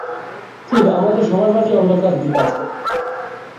Chip, আমাদের সবার মাঝেই অন্ধকার দিক আছে।